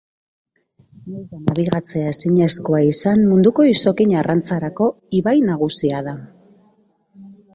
Nahiz eta nabigatzea ezinezkoa izan munduko izokin-arrantzarako ibai nagusia da.